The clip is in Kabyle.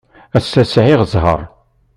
Ass-a, sɛiɣ zzheṛ.